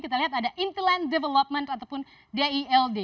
kita lihat ada interland development ataupun dild